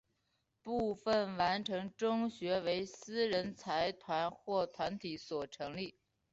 部分完全中学为私人财团或团体所成立。